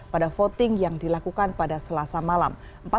pada voting yang dilakukan pada selasa malam